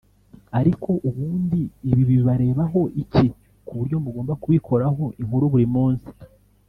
Ariko ubundi ibi bibarebaho iki kuburyo mugomba kubikoraho inkuru buri munsi